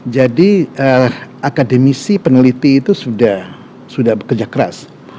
jadi akademisi peneliti itu sudah sudah bekerja keras